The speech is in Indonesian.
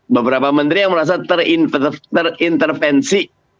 beberapa menteri yang merasa terintervensi